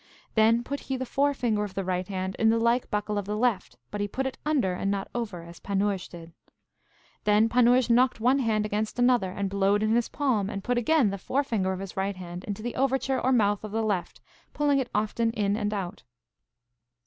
Then put he the forefinger of the right hand in the like buckle of the left, but he put it under, and not over, as Panurge did. Then Panurge knocked one hand against another, and blowed in his palm, and put again the forefinger of his right hand into the overture or mouth of the left, pulling it often in and out.